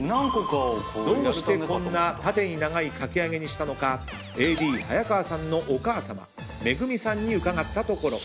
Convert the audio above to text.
どうしてこんな縦に長いかき揚げにしたのかＡＤ早川さんのお母さま愛宮美さんに伺ったところ。